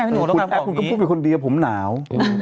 คุณแอ๊บคุณก็พูดว่าเป็นคนดีแต่ผมหนาว